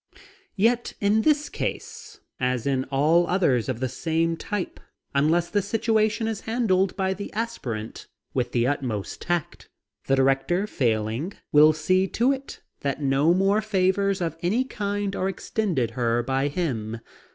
Yet in this case, as in all others of the same type, unless the situation is handled by the aspirant with the utmost tact, the director failing will see to it that no more favors of any kind are extended her by him.